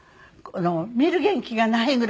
見る元気がないぐらいに。